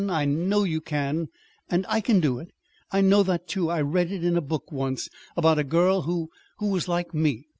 I know you can. And I can do it. I know that, too. I read it in a book, once, about a girl who who was like me.